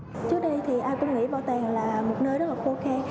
trước đây thì ai cũng nghĩ bảo tàng là một nơi rất khô khen